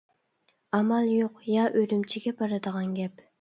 ئامال يوق يا ئۈرۈمچىگە بارىدىغان گەپ.